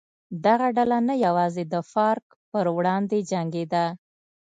دغه ډله نه یوازې د فارک پر وړاندې جنګېده.